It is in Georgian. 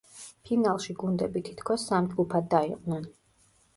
ფინალში გუნდები თითქოს სამ ჯგუფად დაიყვნენ.